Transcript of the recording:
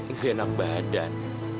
nggak enak badan